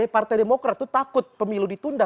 partai demokrat itu takut pemilu ditunda